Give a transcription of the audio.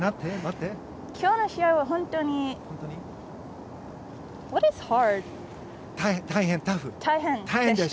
今日の試合は本当に大変でした。